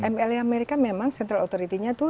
mle nya amerika memang central authority nya itu